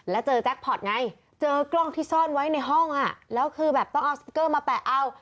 แล้วเจอแจ็คพอร์ตไงเจอกล้องที่ซ่อนไว้ในห้องอ่ะแล้วคือแบบต้องเอาสติ๊กเกอร์มาแปะเอา